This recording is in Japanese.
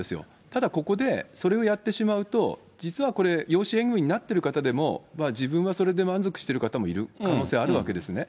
ただここで、それをやってしまうと、実はこれ、養子縁組になってる方でも、自分はそれで満足している方もいる可能性あるわけですね。